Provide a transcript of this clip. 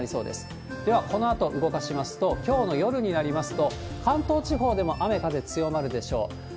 ではこのあと動かしますと、きょうの夜になりますと、関東地方でも雨、風強まるでしょう。